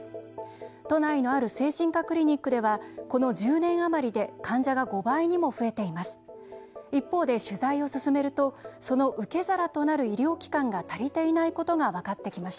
都内のある精神科クリニックではこの１０年余りで患者が５倍にも増えています。